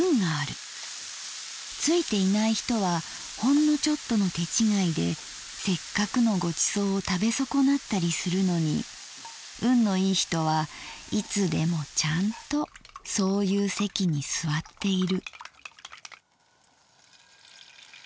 ついていない人はほんのちょっとの手違いで折角のご馳走を食べそこなったりするのに運のいい人はいつでもチャンとそういう席に坐っている」。